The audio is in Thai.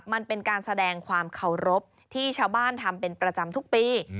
มันเป็นการแสดงความเคารพที่ชาวบ้านทำเป็นประจำทุกปี